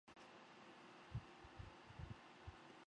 永嘉二年接替病死的高光任尚书令。